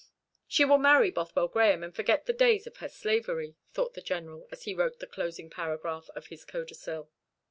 "She will marry Bothwell Grahame, and forget the days of her slavery," thought the General, as he wrote the closing paragraph of his codicil.